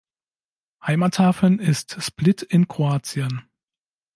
Heimathafen ist Split in Kroatien.